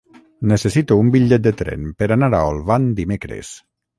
Necessito un bitllet de tren per anar a Olvan dimecres.